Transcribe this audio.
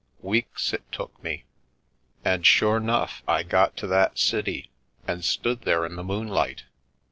Weeks it took me. And sure 'nough I got to that city and stood there in the moonlight.